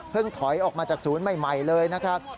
ถอยออกมาจากศูนย์ใหม่เลยนะครับ